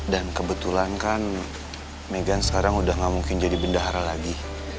dan kebetulan kan megan sekarang udah gak mungkin jadi bendahara lagi